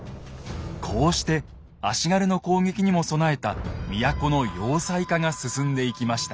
こうして足軽の攻撃にも備えた都の要塞化が進んでいきました。